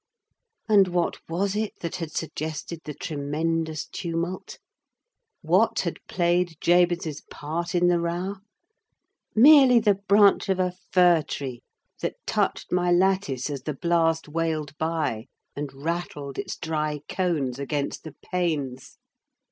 And what was it that had suggested the tremendous tumult? What had played Jabez's part in the row? Merely the branch of a fir tree that touched my lattice as the blast wailed by, and rattled its dry cones against the panes!